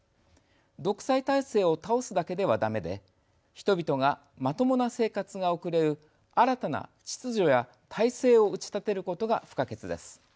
独裁体制を倒すだけではだめで人々がまともな生活が送れる新たな秩序や体制を打ち立てることが不可欠です。